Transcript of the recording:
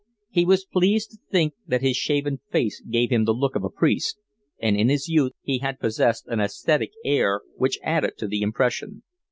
He was pleased to think that his shaven face gave him the look of a priest, and in his youth he had possessed an ascetic air which added to the impression.